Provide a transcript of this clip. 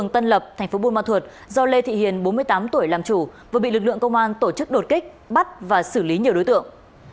tân lập thành phố buôn ma thuột do lê thị hiền bốn mươi tám tuổi làm chủ vừa bị lực lượng công an tổ chức đột kích bắt và xử lý nhiều đối tượng